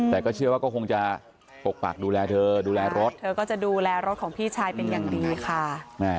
แต่ก็เชื่อว่าก็คงจะปกปักดูแลเธอดูแลรถเธอก็จะดูแลรถของพี่ชายเป็นอย่างดีค่ะ